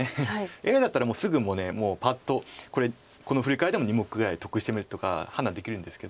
ＡＩだったらすぐパッとこのフリカワリでも２目ぐらい得してるとか判断できるんですけど。